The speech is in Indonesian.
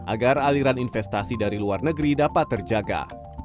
agar aliran investasi dari luar negeri dapat terjaga